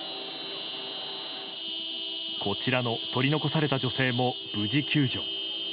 こちらの取り残された女性も無事救助。